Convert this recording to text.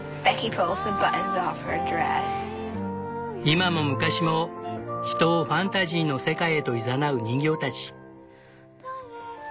今も昔も人をファンタジーの世界へといざなう人形たち。